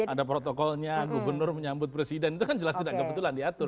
ada protokolnya gubernur menyambut presiden itu kan jelas tidak kebetulan diatur